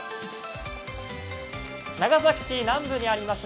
長崎市南部にあります